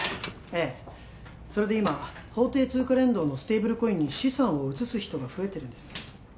ええそれで今法定通貨連動のステーブルコインに資産を移す人が増えてるんです